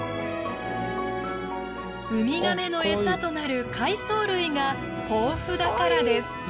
ウミガメの餌となる海藻類が豊富だからです。